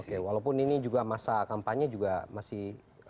oke walaupun ini juga masa kampanye juga masih